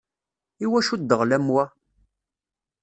Iwacu ddɣel am wa?